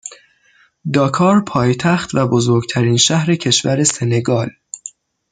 داکار پایتخت و بزرگترین شهر کشور سنگال